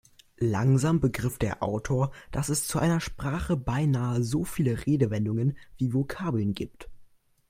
Langsam begriff der Autor, dass es zu einer Sprache beinahe so viele Redewendungen wie Vokabeln gibt.